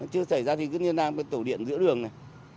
chứ xảy ra thì cứ như đang cái tủ điện giữa đường này